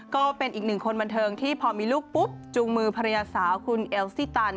ก็เป็นอีกหนึ่งคนบันเทิงที่พอมีลูกปุ๊บจูงมือภรรยาสาวคุณเอลซี่ตัน